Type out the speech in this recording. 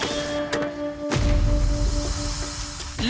และอีกหนึ่งเมนูเด็ดที่ขายดิบขายดีนั่นก็คือ